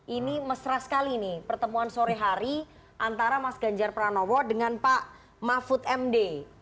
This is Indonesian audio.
ini mesra sekali nih pertemuan sore hari antara mas ganjar pranowo dengan pak mahfud md